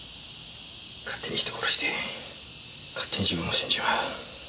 勝手に人殺して勝手に自分も死んじまう。